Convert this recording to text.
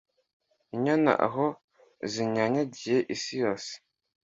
Inyana aho zinyanyagiye isi yose